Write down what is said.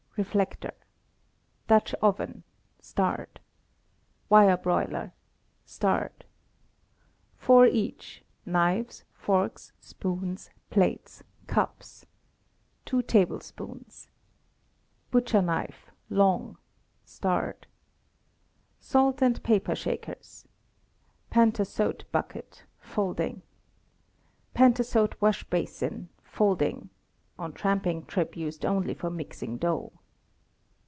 Reflector. *Dutch oven. *Wire broiler. 4 each, knives, forks, spoons, plates, cups. 2 tablespoons. "^ *Butcher knife, long. ''^ Salt and pepper shakers. Pantasote bucket, folding. Pantasote wash basin, folding (on tramping trip used only for mixing dough).